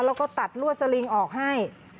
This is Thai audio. แล้วก็ตัดลวดสลิงออกให้